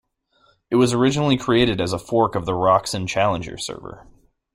It was originally created as a fork of the Roxen Challenger server.